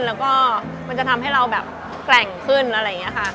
แล้วก็มันจะทำให้เราแบบแกร่งขึ้นอะไรอย่างนี้ค่ะ